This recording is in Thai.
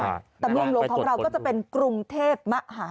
ตำรุงโลกของเราก็จะเป็นกรุงเทพมหานคร